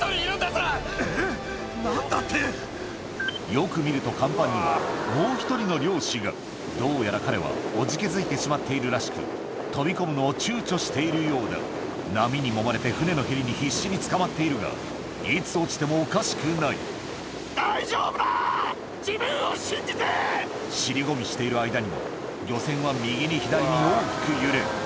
えっ何だって⁉よく見ると甲板にはもう１人の漁師がどうやら彼はおじけづいてしまっているらしく飛び込むのをちゅうちょしているようだ波にもまれて船のへりに必死につかまっているがいつ落ちてもおかしくない尻込みしている間にも漁船は右に左に大きく揺れ